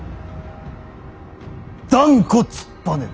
断固突っぱねる。